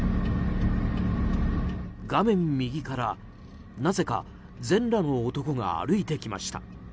画面右から、なぜか全裸の男が歩いてきました。